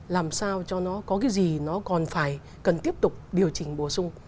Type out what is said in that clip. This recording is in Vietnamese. làm sao cho nó có cái gì nó còn phải cần tiếp tục điều chỉnh bổ sung